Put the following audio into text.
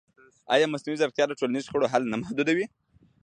ایا مصنوعي ځیرکتیا د ټولنیزو شخړو حل نه محدودوي؟